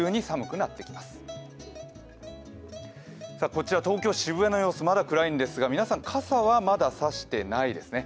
こちら東京・渋谷の様子、まだ暗いんですが皆さん、傘はまだ差してないですね